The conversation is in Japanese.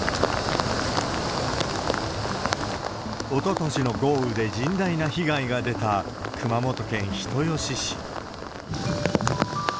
おととしの豪雨で甚大な被害が出た熊本県人吉市。